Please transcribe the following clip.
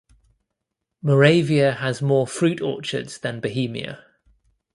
Moravia has more fruit orchards than Bohemia.